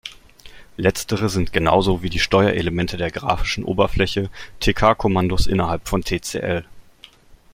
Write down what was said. Letztere sind genauso wie die Steuerelemente der grafischen Oberfläche Tk Kommandos innerhalb von Tcl.